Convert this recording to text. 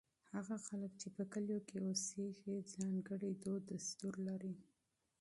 هغه خلک چې په کلو کې اوسېږي ځانګړي دودونه لري.